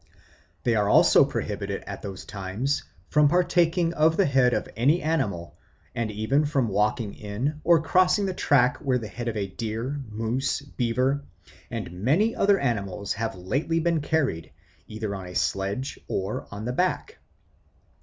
They are also prohibited at those times from partaking of the head of any animal, and even from walking in or crossing the track where the head of a deer, moose, beaver, and many other animals have lately been carried, either on a sledge or on the back.